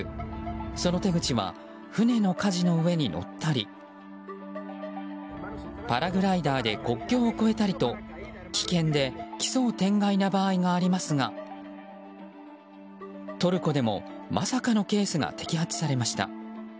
その手口は船のかじの上に乗ったりパラグライダーで国境を越えたりと危険で奇想天外な場合がありますがトルコでも、まさかのケースが摘発されました。